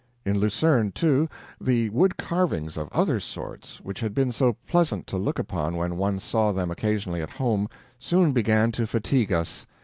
In Lucerne, too, the wood carvings of other sorts, which had been so pleasant to look upon when one saw them occasionally at home, soon began to fatigue us.